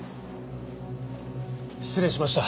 失礼しました。